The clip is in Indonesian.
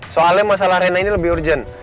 soalnya masalah arena ini lebih urgent